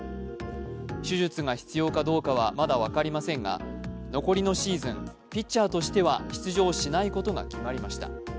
手術が必要かどうかはまだ分かりませんが残りのシーズン、ピッチャーとしては出場しないことが決まりました。